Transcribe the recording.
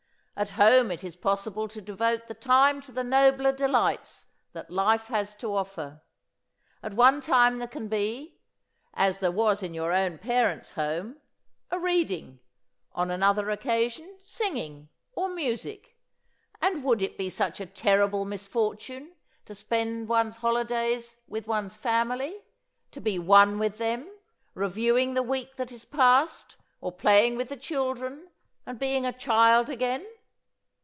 At home it is possible to devote the time to the nobler delights that life has to offer. At one time there can be as there was in your own parents' home a reading, on another occasion singing or music. And would it be such a terrible misfortune to spend one's holiday with one's family, to be one with them, reviewing the week that is past or playing with the children and being a child again?